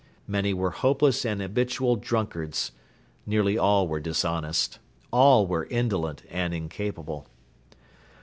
Many were hopeless and habitual drunkards. Nearly all were dishonest. All were indolent and incapable.